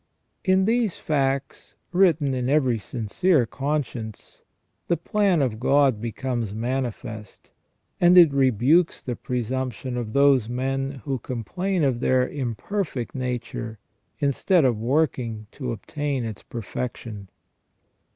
In these facts, written in every sincere conscience, the plan of God becomes manifest, and it rebukes the presumption of those men who complain of their imperfect nature instead of working to obtain its perfection.